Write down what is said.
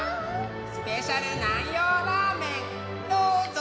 スペシャル南陽ラーメンどうぞ！